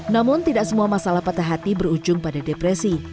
namun tidak semua masalah patah hati berujung pada depresi